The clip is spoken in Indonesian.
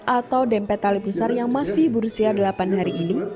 atau dempet tali besar yang masih berusia delapan hari ini